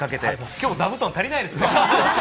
今日は座布団が足りないですね。